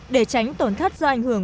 để tránh tổn thất do ảnh hưởng